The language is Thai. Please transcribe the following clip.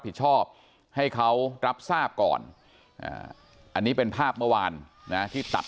ผิดชอบให้เขารับทราบก่อนอันนี้เป็นภาพเมื่อวานนะที่ตัด